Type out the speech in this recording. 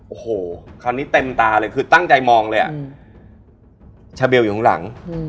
โอ้โหคราวนี้เต็มตาเลยคือตั้งใจมองเลยอ่ะชาเบลอยู่ข้างหลัง